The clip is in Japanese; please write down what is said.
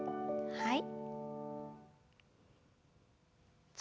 はい。